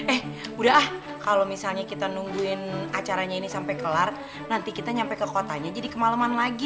eh udah ah kalau misalnya kita nungguin acaranya ini sampai kelar nanti kita nyampe ke kotanya jadi kemaleman lagi